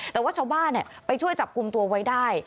แต่ว่าชาวบ้านไปช่วยจับกลุ่มตัวไว้ได้